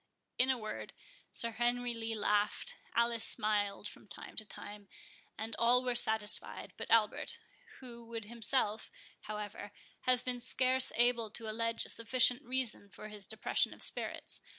In a word, Sir Henry Lee laughed, Alice smiled from time to time, and all were satisfied but Albert, who would himself, however, have been scarce able to allege a sufficient reason for his depression of spirits.